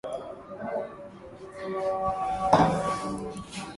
wanachotaka ni huyu bwana aondoke wamekumbana na matatizo mengi nadhani wameona labda